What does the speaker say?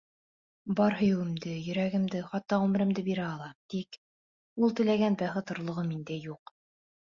Бар һөйөүемде, йөрәгемде, хатта ғүмеремде бирә алам, тик... ул теләгән бәхет орлоғо миндә юҡ.